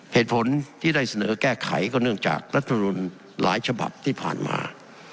เหตุผลที่ได้เสนอแก้ไขก็เนื่องจากรัฐมนุนหลายฉบับที่ผ่านมา